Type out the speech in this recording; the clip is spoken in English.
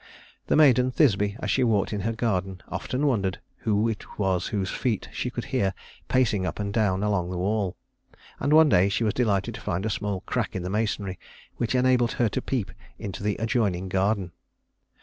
The maiden Thisbe, as she walked in her garden, often wondered who it was whose feet she could hear pacing up and down along the wall; and one day she was delighted to find a small crack in the masonry which enabled her to peep into the adjoining garden.